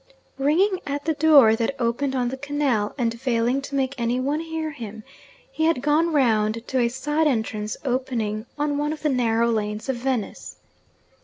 Ringing at the door that opened on the canal, and failing to make anyone hear him, he had gone round to a side entrance opening on one of the narrow lanes of Venice.